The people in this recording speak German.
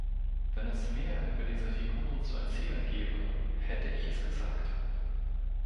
Wenn es mehr über diese Figuren zu erzählen gäbe, hätte ich es gesagt.